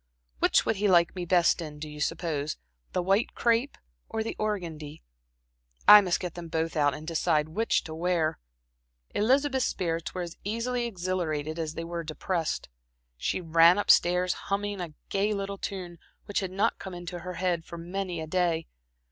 Which would he like me best in, do you suppose the white crepe or the organdie? I must get them both out, and decide which to wear." Elizabeth's spirits were as easily exhilarated as they were depressed. She ran up stairs, humming a gay little tune which had not come into her head for many a day.